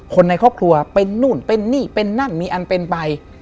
คนในครอบครัวเป็นนู่นเป็นนี่เป็นนั่นมีอันเป็นไป